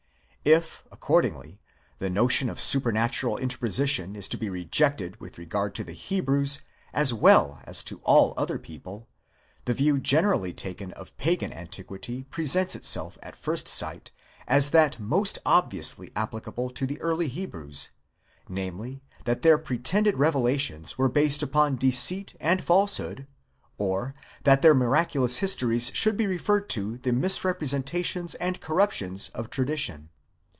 If, accordingly, the notion of supernatural interposition is to be rejected with regard to the Hebrews, as well as to all other people, the view generally taken of pagan antiquity presents itself, at first sight, as that most obviously applicable to the early Hebrews; namely, that their pre tended revelations were based upon deceit and falsehood, or that their miracu lous histories should be referred to the misrepresentations and corruptions of tradition.